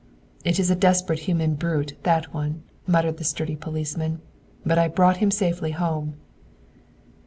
"It is a desperate human brute, that one," muttered the sturdy policeman; "but, I've brought him safely home."